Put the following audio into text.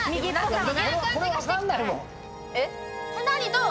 どう？